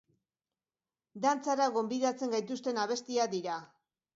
Dantzara gonbidatzen gaituzten abestiak dira.